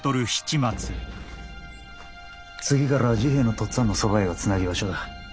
次からは治平の父っつぁんのそば屋がつなぎ場所だ。